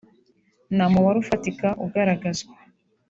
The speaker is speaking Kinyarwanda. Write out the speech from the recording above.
nta mubare ufatika ugaragazwa